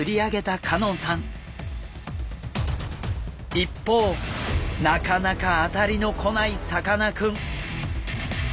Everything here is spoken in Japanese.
一方なかなか当たりの来ないさかなクン。